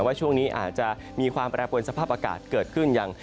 ว่าช่วงนี้อาจจะมีความแปรปวนสภาพอากาศเกิดขึ้นอย่าง